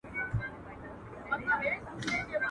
اوښ تې ول بازۍ وکه، ده جوړنگان د بېخه وکښه.